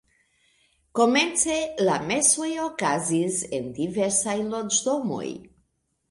Komence la mesoj okazis en diversaj loĝdomoj.